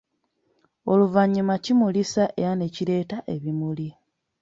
Oluvanyuma kimulisa era nekireeta ebimuli.